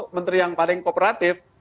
menteri yang paling kooperatif